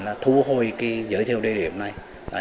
là thu hồi cái giới thiệu địa điểm này